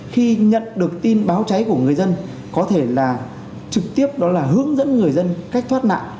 khi nhận được tin báo cháy của người dân có thể là trực tiếp đó là hướng dẫn người dân cách thoát nạn